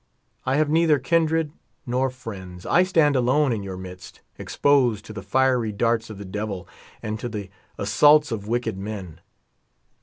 I have neither kindred nor friends. I stand alone in your midst, exposed to the fiery darts of the devil, and to the assaults of wicked men.